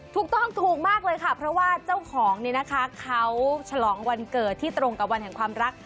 ถูกต้องถูกมากเลยค่ะเพราะว่าเจ้าของนี่นะคะเขาฉลองวันเกิดที่ตรงกับวันแห่งความรัก